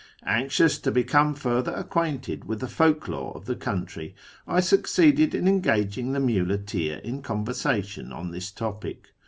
Anxious to become further acquainted with the folk lore of the country, I succeeded in engaging the muleteer in conversation on this topic.